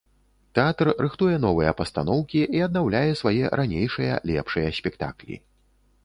Тэатр рыхтуе новыя пастаноўкі і аднаўляе свае ранейшыя лепшыя спектаклі.